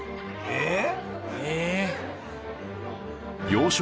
えっ！